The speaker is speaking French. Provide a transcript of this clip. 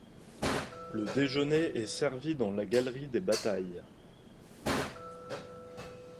Le déjeuner est servi dans la galerie des Batailles.